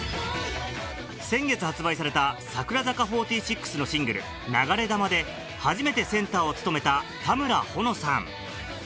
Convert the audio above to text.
先月発売された櫻坂４６のシングル『流れ弾』で初めてセンターを務めた田村保乃さん